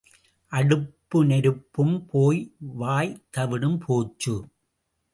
அடுப்பு நெருப்பும் போய் வாய்த் தவிடும் போச்சு.